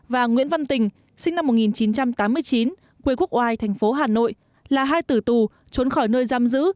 và nguyễn văn tình sinh năm một nghìn chín trăm tám mươi chín quê quốc oai thành phố hà nội là hai tử tù trốn khỏi nơi giam giữ